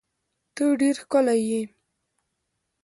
ته ډیر ښکلی یی